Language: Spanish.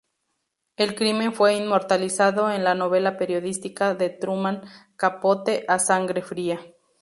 El crimen fue inmortalizado en la novela periodística de Truman Capote "A sangre fría".